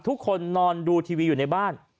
ทุกคนนอนดูทีวีอยู่ในบ้าน